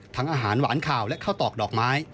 อาหารหวานข่าวและข้าวตอกดอกไม้